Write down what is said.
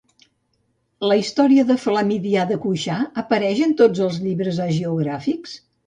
La història de Flamidià de Cuixà apareix en tots els llibres hagiogràfics?